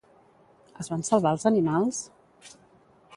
Es van salvar els animals?